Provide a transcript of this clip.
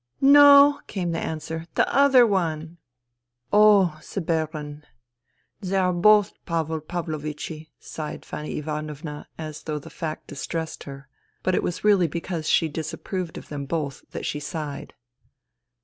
" No," came the answer, " the other one." "Oh, the Baron. They are both Pavel Pavlo vichi," sighed Fanny Ivanovna as though the fact distressed her ; but it was really because she dis approved of them both that she sighed.